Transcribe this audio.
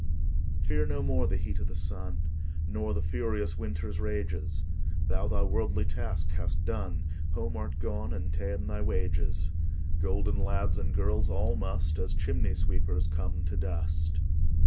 Fear no more the heat o' the sun, Nor the furious winter's rages; Thou thy worldly task hast done, Home art gone, and ta'en thy wages: Golden lads and girls all must, As chimney sweepers, come to dust.